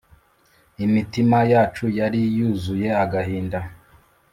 imitima yacu yari yuzuye agahinda